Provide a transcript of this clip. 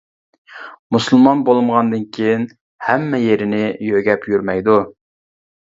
مۇسۇلمان بولمىغاندىكىن، ھەممە يېرىنى يۆگەپ يۈرمەيدۇ.